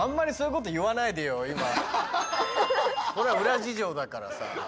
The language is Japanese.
これは裏事情だからさ。